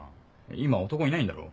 今男いないんだろ？